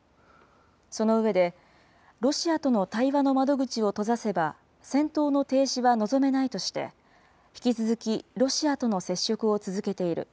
その上で、ロシアとの対話の窓口を閉ざせば戦闘の停止は望めないとして、引き続きロシアとの接触を続けている。